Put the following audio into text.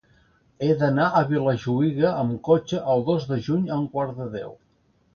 He d'anar a Vilajuïga amb cotxe el dos de juny a un quart de deu.